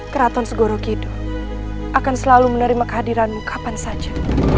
keraton segoro kidu akan selalu menerima kehadiranmu kapan saja